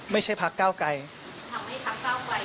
ไม่ใช่พรรคเก้าไกรทำไมครับเก้าไกรเอ่อหาความเชื่อมั่นและศรัทธา